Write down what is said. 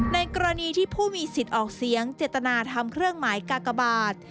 ในกรณีที่ผู้มีสิทธิ์ออกเสียงเจตนาทำเครื่องหมายกากบาท